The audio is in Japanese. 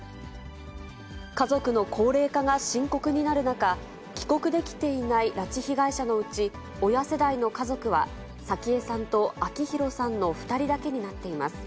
家族の高齢化が深刻になる中、帰国できていない拉致被害者のうち、親世代の家族は、早紀江さんと明弘さんの２人だけになっています。